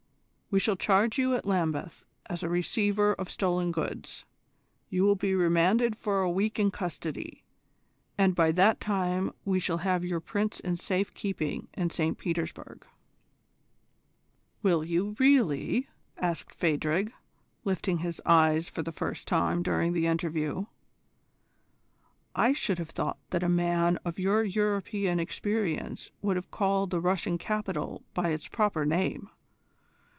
We shall charge you at Lambeth as a receiver of stolen goods: you will be remanded for a week in custody, and by that time we shall have your Prince in safe keeping in St Petersburg." "Will you, really?" asked Phadrig, lifting his eyelids for the first time during the interview. "I should have thought that a man of your European experience would have called the Russian capital by its proper name.